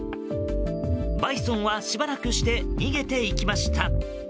バイソンはしばらくして逃げていきました。